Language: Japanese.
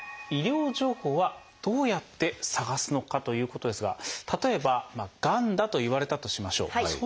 「医療情報はどうやって探すのか？」ということですが例えば「がんだ」と言われたとしましょう。